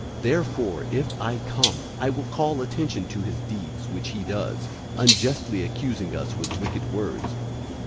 001:010 Therefore, if I come, I will call attention to his deeds which he does, unjustly accusing us with wicked words.